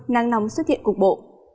nắng nóng xuất hiện cục bộ